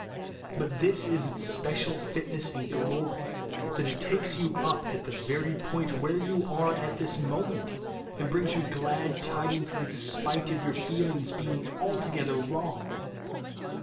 But this is its special fitness and glory, that it takes you up at the very point where you are at this mo ment, and brings you glad tidings in spite of your feelings being altogether wrong.